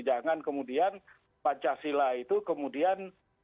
jangan kemudian pancasila itu kemudian